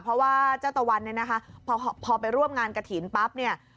เพราะว่าเจ้าตะวันนี่นะคะพอไปร่วมอย่างกะถินนี่ปั๊บ